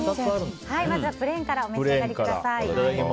まずはプレーンからお召し上がりください。